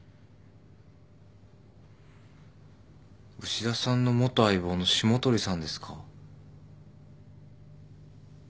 牛田さんの元相棒の霜鳥さんですか？